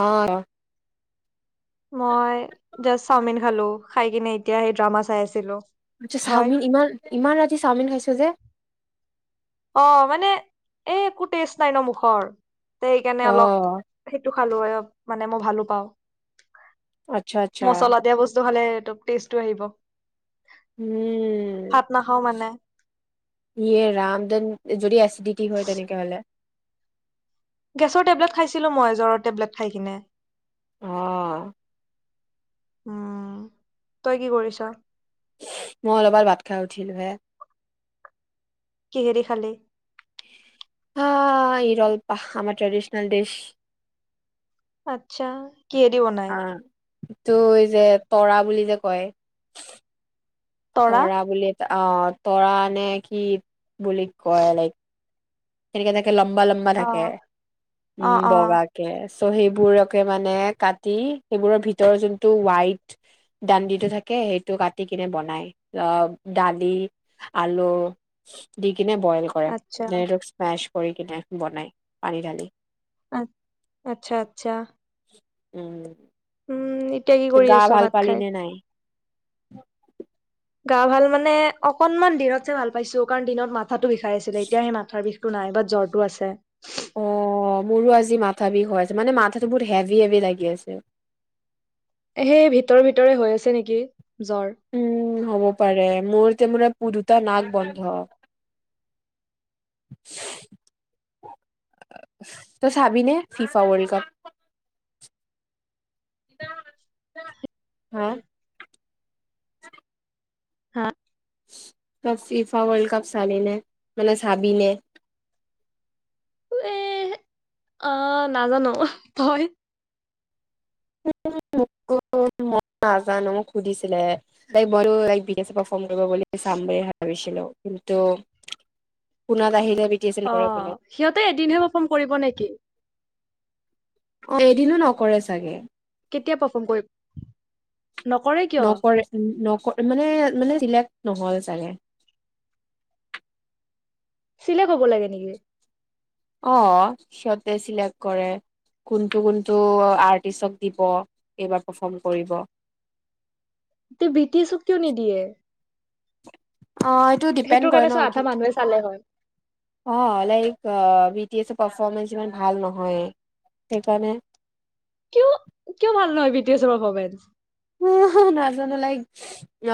আহ মই জা চাওমিন খালো খাই কিনে এতিয়া সেই ড্ৰামা চাই আছিলো আছা হয় চাওমিন ইমান ইমান ৰাতি চাওমিন খাইছো যে অ মানে এই একো টেষ্ট নাই ন মুখৰ অ সেইকাৰণে অলপ সেইটো খালো হয় অ মানে মই ভালো পাওঁ আচ্ছা আচ্ছা মছলা [unintelligible] আহিব ইয়ে, ভাত নাখাও মানে ইয়ে ৰাম ধন যদি এছিডিটি হয় তেনেক হ'লে। গেছৰ টেবলেট খাইছিলোঁ মই জ্বৰৰ টেবলেট খাই কিনে। অহ। উম। তই কি কৰিছ? মই অলপমান ভাত খাই উঠিলো হে। কিহেদি খালি? হা এই ৰলপাহ আমাৰ ট্ৰেডিচনল ড্ৰেছ। আত্ছা। কিহেদি বনাই? টো যে তৰা বুলি যে কয়! তৰা বুলি এটা অ তৰা নে কি? বুলি কয় লাইক। তেনেকে লম্বা লম্বা অ থাকে। অ উম অ বগা কে। চ' সেইবোৰকে মানে কাটি সেইবোৰৰ ভিতৰৰ যোনটো হৱাইট দানডিটো থাকে, সেইটো কাটি কিনে বনাই অ দালি, আলু দি কিনে বইল কৰে। আচ্ছা চ কৰি কিনে বনাই, পানী ঢালি। আ আচ্ছা আচ্ছা। উম। উম এতিয়া কি কৰি আছ ভাত খাই? ন [inaudible] গা ভাল মানে অকনমান দিনতে ভাল পাইছো, কাৰণ দিনত মা থাতো বিষাই আছিলে এতিয়া সে মাথাৰ বিষ টো নাই। বাট জ্বৰটো আছে। অ মোৰো আজি মাথা বিষ হৈ আছে। মানে মাথাটো বহুত হেভি হেভি লাগি আছে। সেই ভিতৰ ভিতৰে হৈ আছে নেকি। জ্বৰ উম হ'ব পাৰে। মোৰ মোৰ পু দুটা নাক বন্ধ। তই চাবিনে ফিফা ৱৰ্ল্ড কাপ? হা? হা ত ফিফা ৰ্ল্ড কপ চালিনে মানে চাবিনে? এ অ নাজানো। তই? ম‌ই নাজানো মোক সুধিছিলে। তাই ব বি পাৰ বুলি চাম ভাবিছিলো কিন্তু শুনাত আহি অ সিহঁতে এদিনহে পাৰফৰ্ম কৰিব নেকি? অ এদিনো নকৰে চাগে। কেতিয়া পাৰ্ফৰ্ম কৰিব? নকৰে কিয় নকৰে উম নক- মানে মানে চিলেক্ট নহল চাগে। চিলেক্ট হব লাগে নেকি? অ সিহঁতে চিলেক্ট কৰে কোনটো কোনটো আৰ্টিষ্টক দিব এইবাৰ পাৰফৰ্ম কৰিব। তে বি টি এছক কিয় নিদিয়ে অ এইটো সেইটোৰ ডিপেণ্ড কৰে কাৰণে ন চোন আধা কি মানুহে চালে হয় অ লাইক অঁ পাৰফৰ্মেন্ঞ্চ ইমান ভাল নহয় সেইকাৰণে কিয় কিয় ভাল নহয় বি টি এছ পাৰফৰ্মেন্ঞ্চ নাজানো লাইক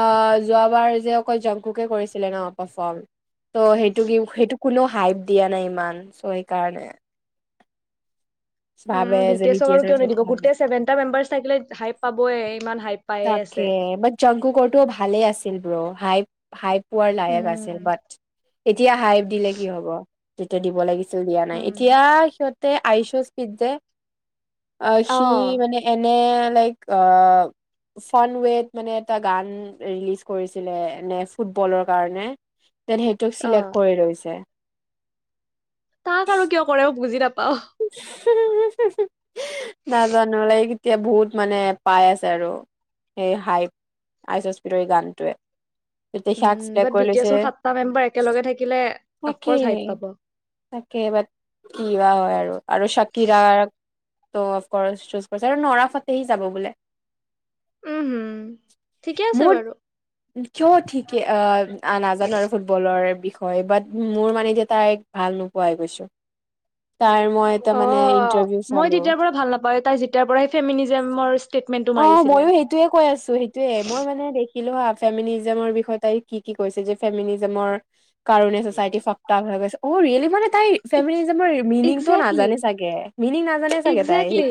আহ যোৱাবাৰ যে অকল জংকুকে কৰিছিলে ন পাৰফৰ্ম ত' সেইটো সেইটো কোনো হাইপ দিয়া নাই ইমান চ' সেইকাৰণে। উ ভাবে বি যে টি এচ ক আৰু এছৰ কিয় নিদিব গোটেই ছেভেনটা মেম্বাৰ থাইিলে হাই পাবই ইমান হাই পায়ে তাকে আছে। ছিল ব্ৰ হাই হাই পোৱাৰ লাইক আছিল উম বাট এতিয়া হাইফ দিলে কি হ'ব। তেতিয়া দিব লাগিছে দিয়া নাই, উম। এতিয়া সিহঁত তে আয়ুষ্য সিদ্ধা [unintelligible] অ সি মানে এনে লাইক, ফ্ৰন্টৱেড মানে এটা ৰিলিজ কৰিছিলে এনে ফুটবলৰ কাৰণে। তে সেইটোক অ'। চিলেক্ট কৰি লৈছে। ৱাহ উ [unintelligible] নাজানো লাইক এতিয়া বহুত মানে পাই আছে আৰু সেই হাই আইচ স্পিডৰ গানটোৱে। তেতিয়া উ সিয়াক চিলেক্ট বাট কৰি বি টি লৈছে এছৰ সাতটা মেম্বাৰ একেলগে থাকিলে তাকে অফকৰ্চ হাই পাব। তাকে বাত কিবা হয় আৰু। আৰু চাকিৰা অফকৰ্চ চজ কৰিছে আৰু নৰাফাটহি যাব বোলে। উম হম ঠিকে আছে বাৰু কি আ অ নাজানো আৰু ফুটবলৰ বাট মোৰ মানে যে তাই ভাল নোপোৱাই গৈছো ত মই এটা মানে অ', ইণ্টাৰভিউ মই চালোঁ তেতিয়াৰ পৰা ভাল নাপাওঁ তাই যেতিয়াৰ পৰা ফেমিনিজমৰ ষ্টেটমেন্টটো অ', মাৰিছিলে। মইও সেইটোৱে কৈ আছোঁ সেইটোৱেই মই মানে। কিন্ত হা ফেমিনিজমৰ বিষয়ে তাই কি কি কৈছে যে ফেমিনিজমৰ কাৰণে চচাইটি ফ আগঢ গৈছে অ ৰিেলি মানে [unintelligible] তাই ফেমিলিজামৰ মিনিং নাজানে চাগে তাই এগজেক্টলি,, সেই-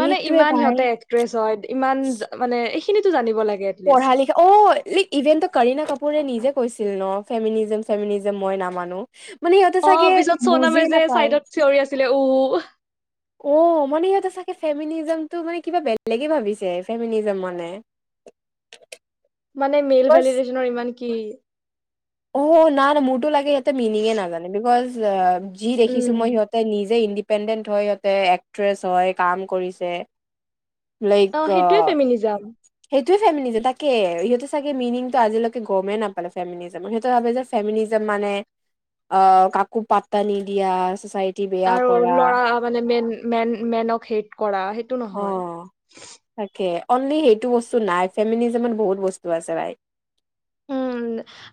মানে ভাই তেওঁলোক একট্ৰেছ হয়। এইখিনিতো জানিব লাগে পঢ়া এটলিষ্ট। লিখা অ ইভেন্টটো কৰীনা কাপোৰে নিজে কৈছিল ন ফেমিলিজম ফেমিলিজম মই নামানো। মানে সিহঁতে চাগে অ', পিছত চনামে বুজিয়ে যে নাপায় চাইডত চিঞৰি আছিলে উ, ' ৱাহ। অ', মানে ইহঁতে চাগে ফেমিনিজমটো মানে কিবা বেলেগে ভাবিছে, ফেমিনিজম মানে। মানে মেইল বছ ভেলিডেশনৰ ইমান, কি? অ ', না- না মোৰতো লাগে সিঁহতে মিনিঙে নাজানে বিকজ, যে, যি দেখিছো উম, মই সিহঁতে নিজে ইনদি, ডিপেণ্ডেণ্ট হয় সিহঁতে এক্ট্ৰেছ হয়, কাম কৰিছে। লাইক অ', সেইটোৱে আঃ ফেমিনিজম। সেইটোৱে ফেমিনা যে তাকে সিহঁতে চাগে মিনিংটো আজিলৈকে গমেই নাপালে ফেমিলি যে, সিহঁতে ভাবে যে ফেমিনিজন মানে অ', কাকো পাত্তা নিদিয়া চছাইটিৰ, আৰু ল'ৰা মানে মেইন, মেন - মেনক হেট কৰা সেইটো নহয়। অ' তাকে অনলি সেইটো বস্তু নাই ফেমিনিজীমত বহুত বস্তু আছে, ৰাইট উম,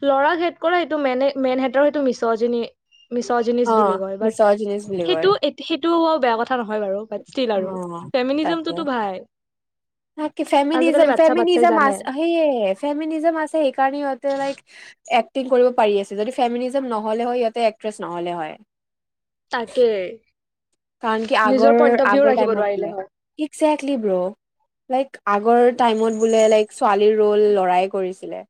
ল'ৰাক হেড কৰে সেইটো মেন- মেনহতৰ সেইটো মিছৰ - জনীয়ে। মিছৰ জিনিচ অ' বুলি কয় বাট মিছৰজিনিছ বুলি কয় সেইটো এট, সেইটো বৰ বেয়া কথা নহয় বাৰু বাট ষ্টিল আৰু অ' তাকে ফেমিনিজমটো তো ভাই, তাকে আজিকালি ফেমিনিজম- বাচ্ছা বাচ্ছাই ফেমিনিজম জানে আছে সেয়ে ফেমনিজম আছে, সেই কাৰণ সিহঁতে লাইক এক্টিং কৰিব পাৰি আছে যদি ফেমিলিজম নহ'লে হয় সিহঁতে এক্ট্ৰেছ নহ'লে হয়। তাকে। কাৰণ কি নিজৰ পইন্ট আগৰ- অফ ভিউ আগৰ ৰাখিব টাইমত নোৱাৰিলে বোলে হয়। ইকজেক্লি ব্ৰ',। লাইক আগৰ টাইমত বোলে লাইক ছোৱালীৰ ৰ'ল ল'ৰাই কৰিছিলে।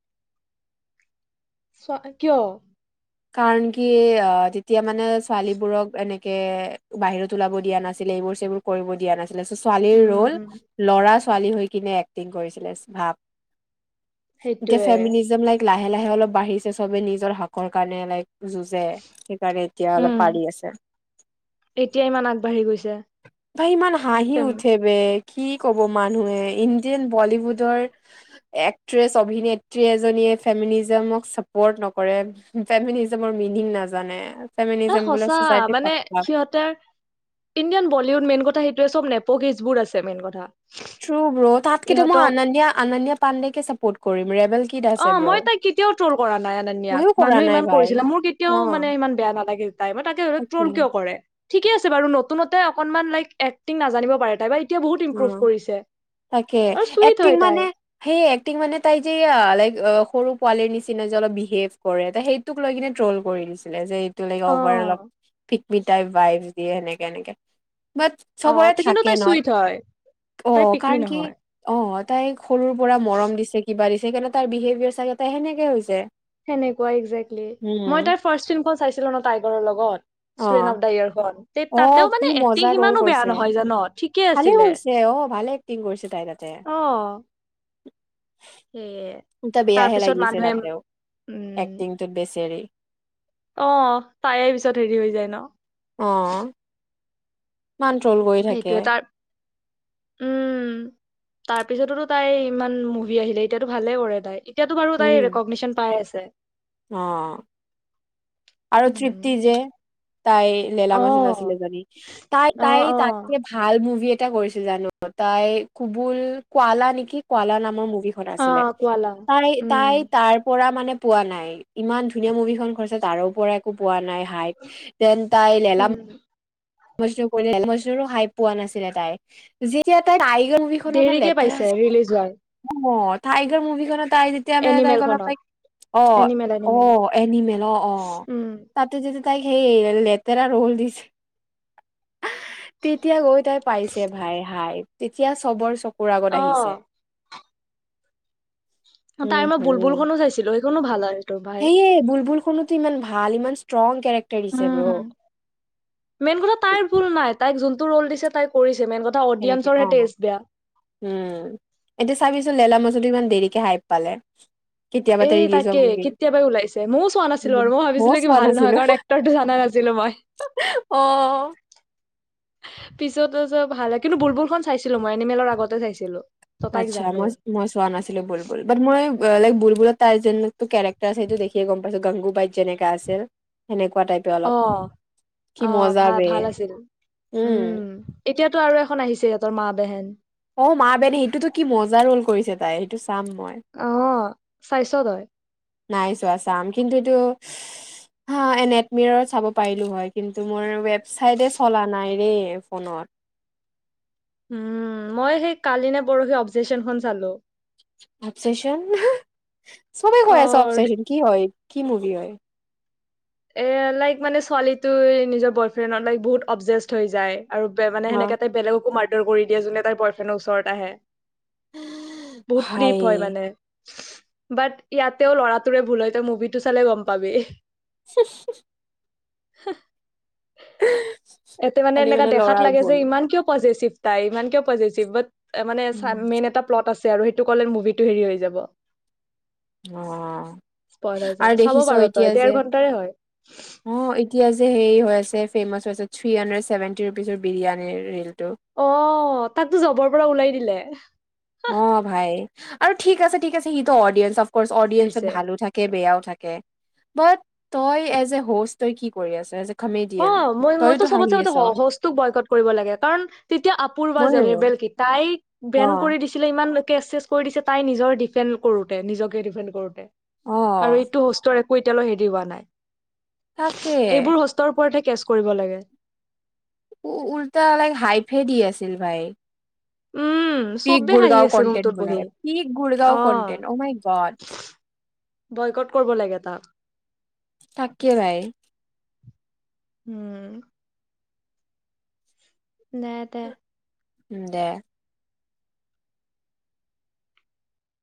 চ' কিয়? কাৰণ কি অ', তেতিয়া মানে ছোৱালীবোৰক এনেকে বাহিৰত ওলাব দিয়া নাছিলে এইবোৰ- চেইবোৰ কৰিব দিয়া নাছিল। ছোৱালীৰ ৰ'ল উম ল'ৰা, ছোৱালী হৈ কিনে এক্টিং কৰিছিলেচ ভাপ, এতিয়া সেইটোয়ে ফেমিনিজম লাইক লা, লাহে- লাহে, অলপ বাঢ়িছে চবে নিজৰ হকৰ, কাৰনে লাইক -যুঁজে, সেইকাৰণে এতিয়া অলপ উম পাৰি আছে এতিয়া ইমান আগবাঢ়ি গৈছে ভাই ইমান হাঁহি উঠে এ বে', কি ক'ব মানুহে ইণ্ডিয়ান বলীউডৰ এক্ট্ৰেছ অভিনেত্ৰী এজনীয়ে, ফেমিনিজমক চাপৰ্ট নকৰে। ফেমিনিজমৰ মিনিং নাজানে, এ, ফেমিনিজম বোলে সঁচা চচাইটি মানে সিহঁতৰ ইণ্ডিয়ান বলীউড মেইন কথা সেইটো, চব নেপোকেচবোৰ আছে মেইন কথা, ট্ৰু ব্ৰ তাতকেতো মই ইহঁতক আনণ্ণিয়া আনণ্ণিয়া পাণ্ডে কে চাপোৰ্ট কৰিম ৰেবেল কিড অ আছে ব্ৰ মই তাইক কেতিয়াও ট্ৰল কৰা নাই আনণ্ণিয়াক ময়ো কৰা মানুহে নাই ইমান ভাই কৰিছিলে মোৰ কেতিয়াও অ মানে ইমান বেয়া নালাগে তাই মই তাকে ধওক ট্ৰল কিয় কৰে [unintelligible] ঠিকে আছে বাৰু নতুনতে অকনমান লাইক এক্টিং নাজানিব পাৰে তাইবা অ তাকে আৰু চুইট এক্টিং হয় মানে তাই সেই এক্টিং মানে তাই যে লাইক সৰু পোৱালিৰ নিচিনা যে অলপ বিহেভ কৰে সেইটোক লৈ কিনে ট্ৰল কৰি দিছিলে যে অ লাগিববাৰ অল মিতাই বাইফ দিয়ে এনেকে এনেকে বাট অ সবৰে ত কিন্তু থাকে তাই চুইট হয় নহ তাই অ পিকমি কাৰণ কি নহয় অ অ আ তাই সৰুৰ পৰা মৰম দিছে কিবা দিছে সেইকাৰণে তাৰ বিহেভিয়াৰ চাগই সেনেকোৱা হৈছে সেনেকুৱা একজেক্টলি মই উম তাইৰ ফাষ্ট ফিল্মখন চাইছিলো ন টাইগৰৰ লগত অ ষ্টুডেট অফ দা ইয়াৰ হয় [unintelligible] তে অ তাতেও মানে কি এক্টিং মজা ৰল সিমানো বেয়া কৰিছে নহয় জান ভালে কৰিছে অ ভালে কিং আহ টা বেয়াহে তাৰপিছত লাগিছে মানুহে তাতে উম এক্টিংটোত বেচৰি অ তাই পিছত হেৰি হৈ যায় ন আহ মণ্ট্ৰল কৰি থাকে সেইটোৱে তাৰ উম তাৰ পিছতো তাই ইমান মুভি আহিলে এতিয়াতো ভালে কৰে তাই এয়াতো বাৰু ত ৰেকগশ্যন পাই আছে [unintelligible] উ অঁ আৰু তৃপ্তি উম যে তাই লীলা অ মছদ [unintelligible] আছিলে জানী তাই অ তাই অ তাতক ভাল মুভি কৰিছে জানো তাই কুবুল কোৱালা নেকি কোৱালা নামৰ মু অ আছিলে কোৱালাং তাই উম তাই তাৰ পৰা মানে পোৱা নাই ইমান ধুনীয়া মুভি খন ঘছে তাৰো পৰা একো পোৱা নাই হাইদ তেনে তাই উম মু কৰি মছনুৰো হাই পোৱা নাছিলে তাই যেতিয়া তাই টাইগাৰ মুভি খনো আৰু দেৰিকে লেতেৰা পাইছে ৰিলিজ হোৱাৰ আছে অঁ টাইগাৰ মুভিখনত তাই যেতিয়া মানে তাই অলপ এনিমেলখনত তাই এনিমেল অঁ এনিমেল অঁ এনিমেল অঁ অঁ উম তাতে যেতিয়া তাইক সেই লেতেৰা ৰোল দিছে তেতিয়া গৈ তাই পাইছে ভাই হাই তেতিয়া চবৰ চকু অ আগত আহিছে-' তাই মই বুলবুলখননো চাইছিলো ভাল হয় তোৰ ভাই সেই বুলবুল তো ইমান ভাল ইমান ষ্ট্ৰং কেৰেক্টাৰ দিছে ব্ৰ। উম মেইন কথা তাইৰ ভুল নাই তাইক যোনটো ৰুল দিছে তাই কৰিছে মেইন কথা সেনেকৈ অডিয়েঞ্চৰহে অঁ টেষ্ট বেয়া উম এতিয়া চাবিচোন লেলা মছত ইমান দেৰি হাই পালে কেতিয়াবাতে এই ৰিলিজ হোৱা তাকে মুভি। কেতিয়াবাই ওলাইছে ময়ওঁ চোৱা নাছিলো আৰু মই ময়ো ভাবিছিলো কি চোৱা ভাল নহয় নাছিলো কাৰণ এক্টৰটো জানা নাছিলো মই অ'। পিছত ভাল কিন্তু বুলবুলখন চাইছিলো মই এনিমেলৰ আগতে চাইছিলো-' ত তাইক আচ্ছা জানো মই মই চোৱা নাছিলো বুলবুল বাট মই অঁ লাইক বুলবুলত তাৰ যেনটো কেৰেক্টাৰ আছে সেইটো দেখিয়ে গম পাইছো, গাংগু বাই যেনেকা আছিল সেমেকা অ', অ', ভা বে ভাল আছিল উম এতিয়া। টো আৰু এখন আহিছে সিহতৰ মা বেহেন অঁ মা -বেহেন সেইটোতো কি মজা ৰোল কৰিছে তাই সেইটো চ মই অ চাইছ তই নাই চোৱা চাম কিন্তু এইটো হাঁ এ নেটমিৰৰ চাব পাৰিলো হয় কিন্তু মোৰ ৱেবচাইট চলা নাইৰে ফোনত উম মই সেই কালি নে পৰহি অবজেকচনখন চালোঁ আবজেচন চবে অ কয় আছে অবজেকছন কি হয় কি মুভি হয়। এ লাইক মানে ছোৱালীটো নিজৰ বয়ফ্ৰেণ্ডত লাইক বহুত অবজেষ্ট হৈ যায় আৰু অ সেনেকুৱা কৈ তাই বেলেকো মাৰে কৰি দিয়ে যোনে তাই বয়ফ্ৰেণ্ডৰ ওচৰত আহে বহুত ভাই ক্ৰীপ হয় মানে বাট ইয়াতেও লৰাটোৰে ভুল হয় ত মুভিটো চালে গম পাবি। হো হো হা এতে মানে খালি এনেকা দেখাত লৰাৰ লাগে যে ভুল ইমান কিয় পজিটিভ তাই ইমান কে পজিটিভ ব মানে চ উম মেইন এটা প্লট আছে। আৰু সেইটো হ হৈ যাব। অ স্পইল হৈ যাব আৰু চাব দেখিছ পাৰ তই এতিয়া দেৰ যে ঘন্টাৰে হয় অ এতিয়া যে হেই হৈ আছে। ফেমাছ হৈছে থ্ৰী হাণ্ড্ৰেড ছেভেন্টি ৰুপিজৰ বিৰিয়ানী ৰিল অ তাতো যাবৰ পৰা ওলাই দিলে। অ ভাই আৰু ঠিক আছে ঠিক আছে সিটো অডিয়েন্স অফ অডেঞ্চত হৈছে ভালো থাকে বেয়াওত তই এজ এ হো তই কি কৰি আছ এ অ কমেডিয়ান মই মইতো তইয়োতো হাঁহি চবতে স আছ সজোক বয়কত কৰিব লাগে কাৰণ তেতিয়া আপুৰ বা ময়ো জেৰেবেল কি তাই বেন অ' কৰি দিছে। ছিলে ইমান লোকে এেছ কৰি দিছে তাই নিজৰ ডিফেণ্ড কৰোতে নিজকে ডিফেণ্ড কৰোতে আৰু অ' এইটো হষ্টৰ কইতালৈ হেৰিওৱোৱা নাই তাকে উপৰতে কেচ কৰিব লাগে উল্টা ল হাই ফেড দি আছিল। ভাই উম পিক চবে হাঁহি গুডগাঁও আছে কনটেট ৰুমটোত বহি বুলি পিক গুডগাঁও অ content O my god boycott কৰিব লাগে তাক তাকিয় ভাই উম নাইতে দে